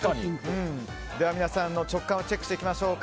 皆さんの直感をチェックしていきましょう。